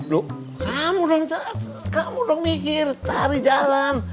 lho kamu dong mikir tari jalan